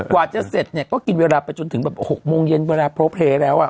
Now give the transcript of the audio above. กว่าจะเสร็จเนี่ยก็กินเวลาไปจนถึงแบบ๖โมงเย็นเวลาโพลเพลย์แล้วอ่ะ